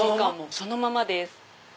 そのままです。